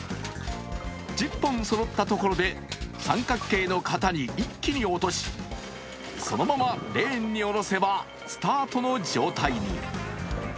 １０本そろったところで三角形の型に一気に落とし、そのままレーンに下ろせばスタートの状態に。